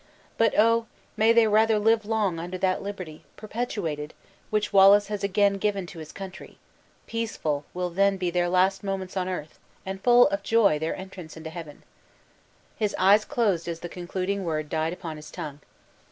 But oh! may they rather long live under that liberty, perpetuated, which Wallace has again given to his country; peaceful will then be their last moments on earth, and full of joy their entrance into heaven!" His eyes closed as the concluding word died upon his tongue.